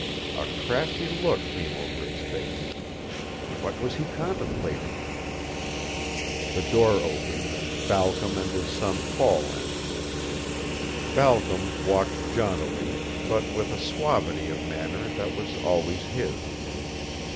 A crafty look came over his face. What was he contemplating? The door opened and Balcom and his son Paul entered. Balcom walked jauntily, but with a suavity of manner that was always his.